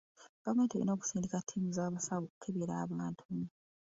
Gavumenti erina okusindika ttiimu z'abasawo okukebera abantu.